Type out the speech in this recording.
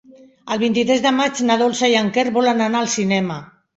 El vint-i-tres de maig na Dolça i en Quer volen anar al cinema.